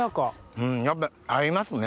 うんやっぱり合いますね。